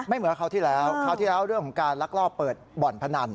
เหมือนคราวที่แล้วคราวที่แล้วเรื่องของการลักลอบเปิดบ่อนพนัน